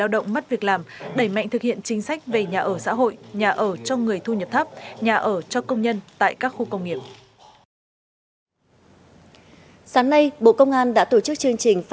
động mắt việc làm đẩy mạnh thực hiện chính sách về nhà ở xã hội nhà ở cho người thu nhập thấp nhà ở cho công nhân tại các khu công nghiệp